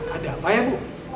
ada apa ya bu